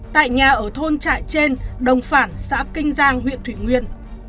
tại nhà ở thôn trại trên đồng phản xã kinh giang huyện thủy nguyên